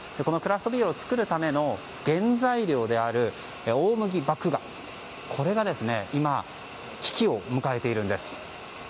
このクラフトビールを作るための原材料である大麦麦芽、これが今危機を迎えているんです。